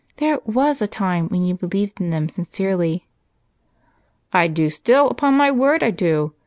There was a time when you believed in them sincerely." "I do still, upon my word I do!